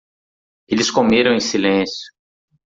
Eles comeram em silêncio.